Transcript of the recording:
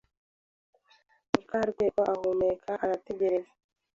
Mukarwego ahumeka arategereza.